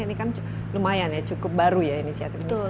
ini kan lumayan ya cukup baru ya inisiatif ini